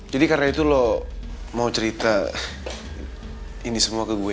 jadi karena itu lo mau cerita ini semua ke gue